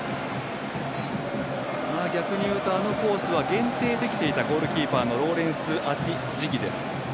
逆に言うとあのコースは限定できていたゴールキーパーのローレンスアティ・ジギです。